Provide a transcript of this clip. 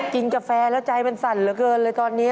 กาแฟแล้วใจมันสั่นเหลือเกินเลยตอนนี้